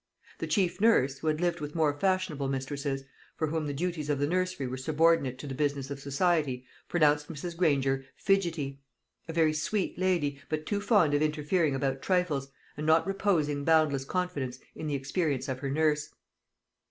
The chief nurse, who had lived with more fashionable mistresses, for whom the duties of the nursery were subordinate to the business of society, pronounced Mrs. Granger "fidgety"; a very sweet lady, but too fond of interfering about trifles, and not reposing boundless confidence in the experience of her nurse.